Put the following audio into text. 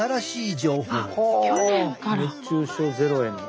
「熱中症ゼロへ」の。